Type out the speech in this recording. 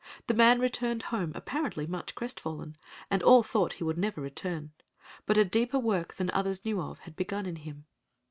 The man returned home apparently much crestfallen, and all thought he would never return; but a deeper work than others knew of had begun in him.